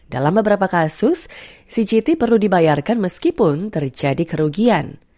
dalam beberapa kasus cgt perlu dibayarkan meskipun terjadi kerugian